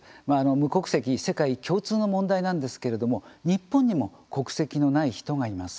無国籍世界共通の問題なんですけれども日本にも国籍のない人がいます。